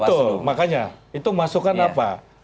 betul makanya itu masukan apa